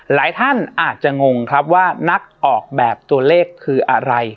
หลายท่านอาจจะงงครับว่านักออกแบบตัวเลขคืออะไร